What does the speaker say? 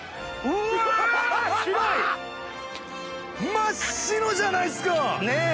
真っ白じゃないですか！ねぇ！